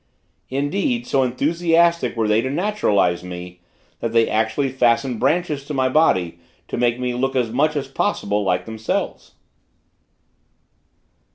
Indeed, so enthusiastic were they to naturalize me, that they actually fastened branches to my body to make me look as much as possible like themselves.